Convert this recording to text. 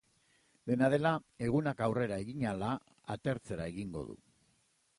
Dena dela, egunak aurrera egin ahala, atertzera egingo du.